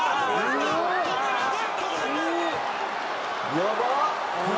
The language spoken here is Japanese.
やばっ！